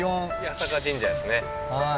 八坂神社ですね。